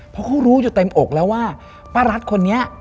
เพราะเขารู้อยู่เต็มอกแล้วว่าป้ารัฐคนนี้